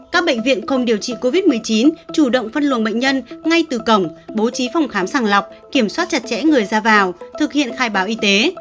các bệnh viện không điều trị covid một mươi chín chủ động phân luồng bệnh nhân ngay từ cổng bố trí phòng khám sàng lọc kiểm soát chặt chẽ người ra vào thực hiện khai báo y tế